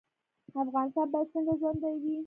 افغانستان باید څنګه ژوندی وي؟